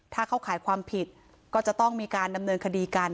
ถ้าเข้าขายความผิดก็จะต้องมีการดำเนินคดีกัน